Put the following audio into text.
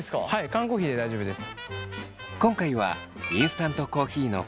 缶コーヒーで大丈夫です。